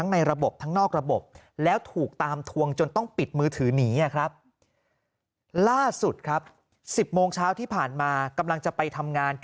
๑๐โมงเช้าที่ผ่านมากำลังจะไปทำงาน